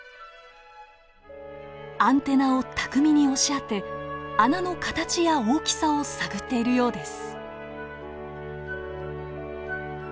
アンテナを巧みに押し当て穴の形や大きさを探っているようです。